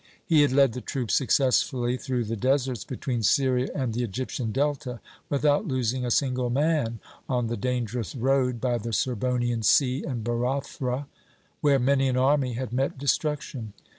He had led the troops successfully through the deserts between Syria and the Egyptian Delta without losing a single man on the dangerous road by the Sirbonian Sea and Barathra, where many an army had met destruction.